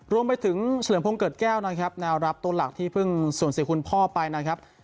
รวมไปถึงเฉลิมพงศเกิดแก้วนะครับแนวรับตัวหลักที่เพิ่งสูญเสียคุณพ่อไปนะครับ